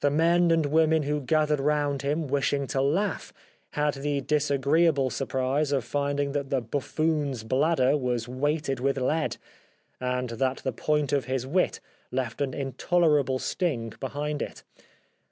The men and women who gathered round him wishing to laugh had the disagreeable surprise of finding that the buffoon's bladder was weighted with lead, and that the point of his wit left an in tolerable sting behind it.